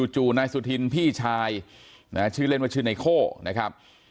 จู่นายสุธินพี่ชายชื่อเล่นว่าชื่อไนโคนะครับ